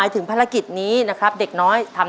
เยี่ยม